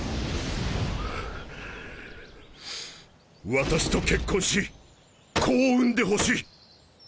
私と結婚し子を産んでほしい。